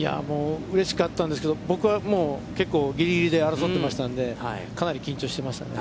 うれしかったんですけど、僕は結構ぎりぎりで争ってましたんで、かなり緊張していましたね。